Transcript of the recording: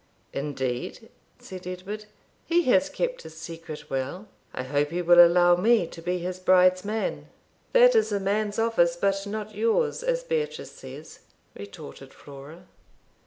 'Indeed!' said Edward; 'he has kept his secret well. I hope he will allow me to be his bride's man.' 'That is a man's office, but not yours, as Beatrice says,' retorted Flora.